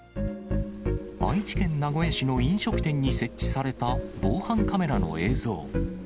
愛知県名古屋市の飲食店に設置された防犯カメラの映像。